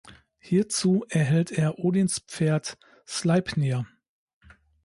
Hierzu erhält er Odins Pferd Sleipnir.